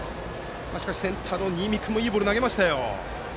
しかし、センターの新美君もいいボールを投げましたよ。